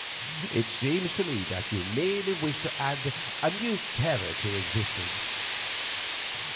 It seems to me that you merely wish to add a new terror to existence.